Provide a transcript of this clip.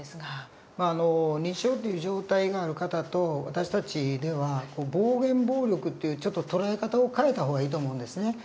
まああの認知症っていう状態がある方と私たちでは暴言暴力っていうちょっと捉え方を変えた方がいいと思うんですね。